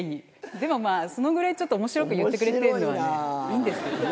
でもまぁそのぐらいちょっと面白く言ってくれてるのはねいいんですけどね。